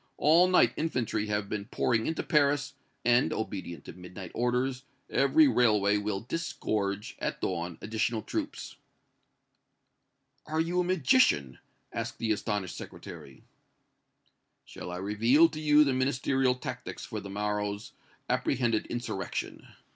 All night infantry have been pouring into Paris, and, obedient to midnight orders, every railway will disgorge, at dawn, additional troops!" "Are you a magician?" asked the astonished Secretary. "Shall I reveal to you the Ministerial tactics for the morrow's apprehended insurrection?"